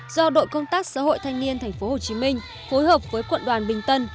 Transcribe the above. do đội công tác xã hội thanh niên tp hcm phối hợp với quận đoàn bình tân